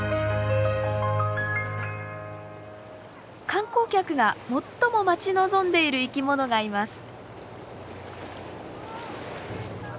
観光客が最も待ち望んでいる生きものがいます。